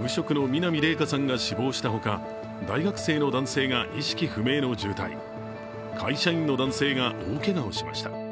無職の南怜華さんが死亡したほか大学生の男性が意識不明の重体会社員の男性が大けがをしました。